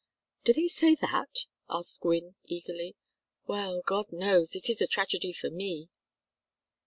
"Do they say that?" asked Gwynne, eagerly. "Well, God knows, it is a tragedy for me."